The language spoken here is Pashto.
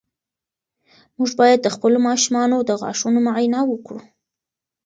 موږ باید د خپلو ماشومانو د غاښونو معاینه وکړو.